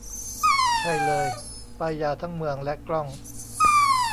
ใช่เลย ป้ายยาทั้งเมืองและกล้อง